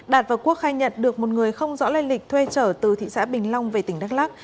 đạt và quốc khai nhận được một người không rõ lây lịch thuê trở từ thị xã bình long về tỉnh đắk lắc